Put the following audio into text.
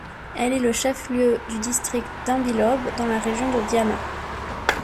Elle est le chef-lieu du district d'Ambilobe dans la région de Diana.